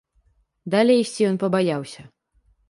Далей ісці ён пабаяўся.